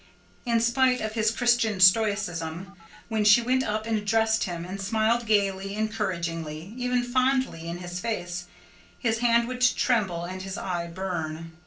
In spite of his Christian stoicism, when she went up and addressed him, and smiled gaily, encouragingly, even fondly in his face, his hand would tremble and his eye burn.